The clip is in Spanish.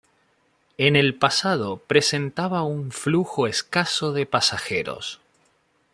En el pasado presentaba un flujo escaso de pasajeros.